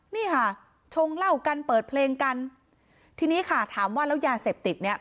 นี่ค่ะชงเหล้ากันเปิดเพลงกันทีนี้ค่ะถามว่าแล้วยาเสพติดเนี้ย